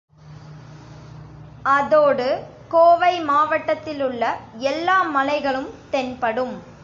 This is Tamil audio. அதோடு கோவை மாவட்டத்திலுள்ள எல்லா மலைகளும் தென்படும்.